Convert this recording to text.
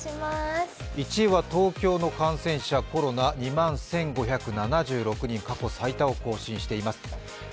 １位は東京の感染者、コロナ２万１５７６人、過去最多を更新しています。